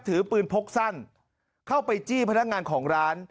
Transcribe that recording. ถือปืนพกสั้นเข้าไปจี้พนักงานของร้าน